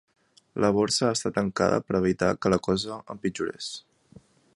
La borsa ha estat tancada per evitar que la cosa empitjorés.